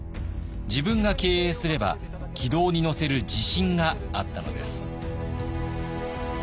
自分が経営すれば軌道に乗せる自信があったのです。